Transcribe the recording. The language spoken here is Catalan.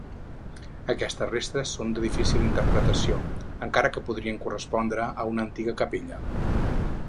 Aquestes restes són de difícil interpretació, encara que podrien correspondre a una antiga capella.